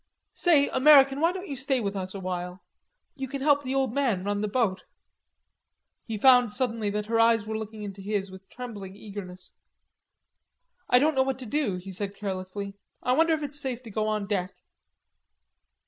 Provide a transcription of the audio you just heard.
Say, American, why don't you stay with us a while? You can help the old man run the boat." He found suddenly that her eyes were looking into his with trembling eagerness. "I don't know what to do," he said carelessly. "I wonder if it's safe to go on deck."